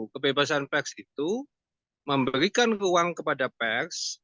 kebebasan peks itu memberikan uang kepada peks